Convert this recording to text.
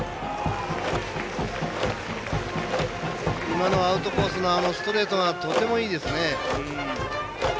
今のアウトコースのストレートがとてもいいですね。